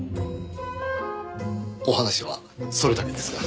お話はそれだけですか？